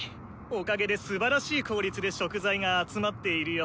おかげですばらしい効率で食材が集まっているよ。